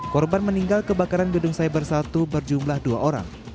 korban meninggal kebakaran gedung cyber satu berjumlah dua orang